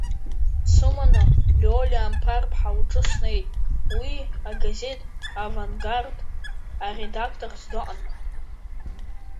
Дсыманы Лиолиа Амԥар-ԥҳа лҿы снеит, уи агазеҭ Авангард аредакторс дыҟан.